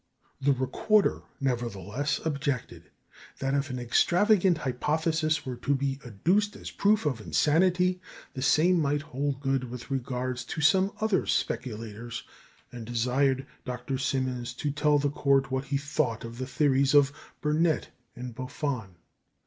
The Recorder, nevertheless, objected that if an extravagant hypothesis were to be adduced as proof of insanity, the same might hold good with regard to some other speculators, and desired Dr. Simmons to tell the court what he thought of the theories of Burnet and Buffon.